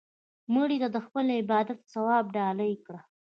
مړه ته د خپل عبادت ثواب ډالۍ کړه